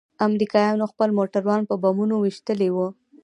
امريکايانو خپل موټران په بمونو ويشتلي وو.